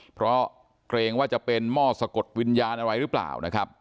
เพราะเกรงว่าจะเป็นหม้อสะกดวิญญาณอะไรหรือเปล่านะครับ